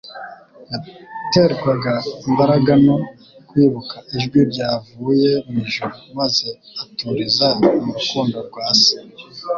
Yaterwaga imbaraga no kwibuka ijwi ryavuye mw'ijuru, maze aturiza mu rukundo rwa Se